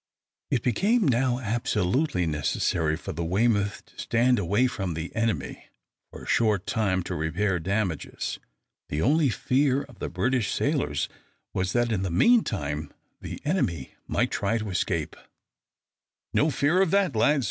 It became now absolutely necessary for the "Weymouth" to stand away from the enemy for a short time to repair damages. The only fear of the British sailors was that in the meantime the enemy might attempt to escape. "No fear of that, lads!"